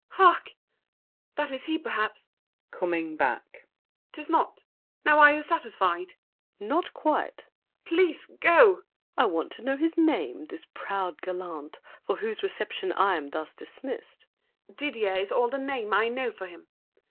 Hark! that is he perhaps. [Coming back.] 'Tis not. Now are you satisfied? SAVERNY. Not quite! MARION. Please go! SAVERNY. I want to know his name, this proud gallant, For whose reception I am thus dismissed. MARION. Didier is all the name I know for him.